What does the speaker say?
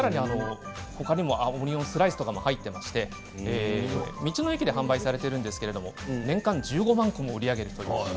他にもオニオンスライスとかも入っていまして道の駅で販売されているんですけれども年間１５万個も売り上げるという。